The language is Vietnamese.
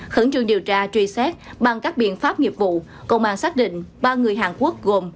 khẩn trương điều tra truy xét bằng các biện pháp nghiệp vụ công an xác định ba người hàn quốc gồm